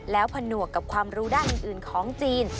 แล้วผนวกกับความรู้ด้านอื่นของจีน